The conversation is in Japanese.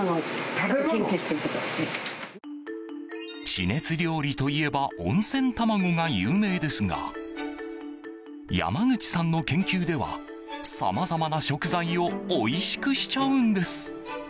地熱料理といえば温泉卵が有名ですが山口さんの研究ではさまざまな食材をおいしくしちゃうんです。